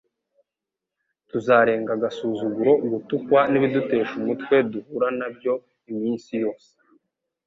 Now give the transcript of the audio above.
tuzarenga agasuzuguro, gutukwa n'ibidutesha umutwe duhura na byo iminsi yose,